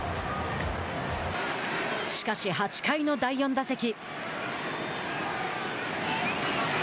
しかし、８回の第４打席。